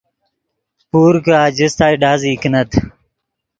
پور کہ آجستائے ڈازئی کینت